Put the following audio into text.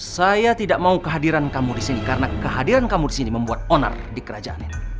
saya tidak mau kehadiran kamu di sini karena kehadiran kamu di sini membuat onar di kerajaan